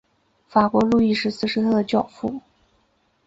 法国路易十四是他的教父。